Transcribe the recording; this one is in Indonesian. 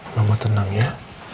mama tenang ya